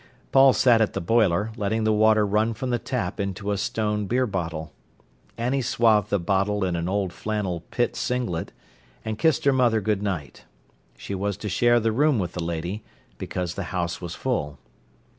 Paul sat at the boiler, letting the water run from the tap into a stone beer bottle. Annie swathed the bottle in an old flannel pit singlet, and kissed her mother good night. She was to share the room with the lady, because the house was full.